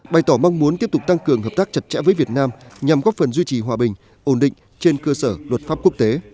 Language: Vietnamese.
bày tỏ mong muốn tiếp tục tăng cường hợp tác chặt chẽ với việt nam nhằm góp phần duy trì hòa bình ổn định trên cơ sở luật pháp quốc tế